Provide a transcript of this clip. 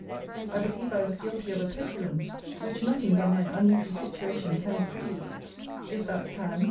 I believe I was guilty of a petulance, which nothing but my uneasy situation can excuse; if that can.